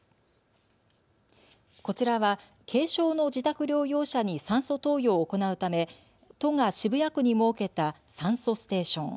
こちらは軽症の自宅療養者に酸素投与を行うため都が渋谷区に設けた酸素ステーション。